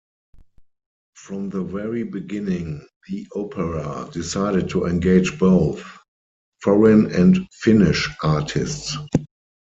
From the very beginning, the opera decided to engage both foreign and Finnish artists.